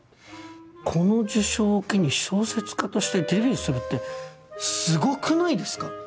この受賞を機に小説家としてデビューするってすごくないですか？